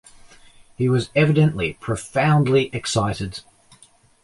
He was evidently profoundly excited.